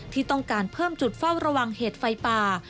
ที่ต้องการเพิ่มจุดเฝ้าระวังเหตุไฟป่า